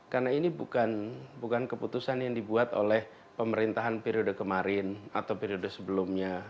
karena ini bukan keputusan yang dibuat oleh pemerintahan periode kemarin atau periode sebelumnya